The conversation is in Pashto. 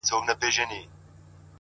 زه د جنتونو و اروا ته مخامخ يمه ـ